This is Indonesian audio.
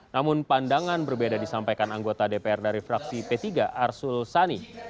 namun pandangan berbeda disampaikan anggota dpr dari fraksi p tiga arsul sani